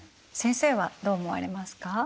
先生はどう思われますか？